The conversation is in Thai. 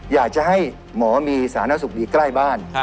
อยากจะให้หมอมีสาธารณสุขดีใกล้บ้าน